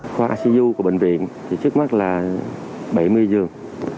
khoa aciju của bệnh viện thì trước mắt là bảy mươi giường